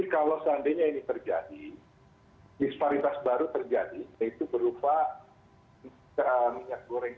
kalau seandainya ini